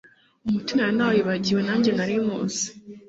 umuti nari nawibagiwe, nange nari nywuzi: